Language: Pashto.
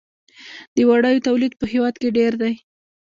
د وړیو تولید په هیواد کې ډیر دی